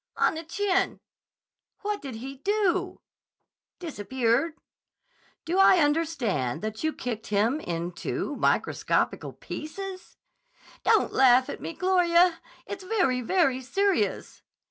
"On the chin." "What did he do?" "Disappeared." "Do I understand that you kicked him into microscopical pieces?" "Don't laugh at me, Gloria. It's very, very serious."